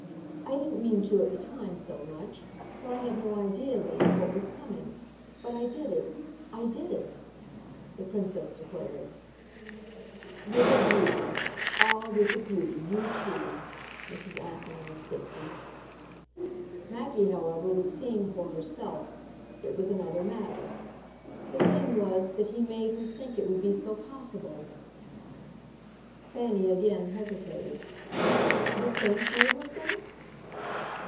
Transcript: I didn't mean to, at the time, so much; for I had no idea then of what was coming. But I did it, I did it!" the Princess declared. "With a beauty ah, with a beauty, you too!" Mrs. Assingham insisted. Maggie, however, was seeing for herself it was another matter, "The thing was that he made her think it would be so possible." Fanny again hesitated. "The Prince made her think